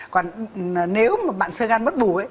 còn nếu mà bạn sơ gan mất bù